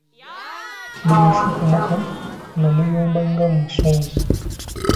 Bw'efukumuka nga muyomba nga musooza.